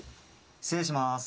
失礼します。